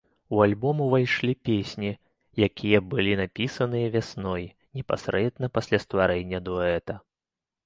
У альбом увайшлі песні, якія былі напісаныя вясной, непасрэдна пасля стварэння дуэта.